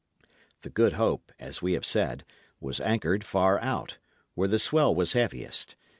The Good Hope, as we have said, was anchored far out, where the swell was heaviest.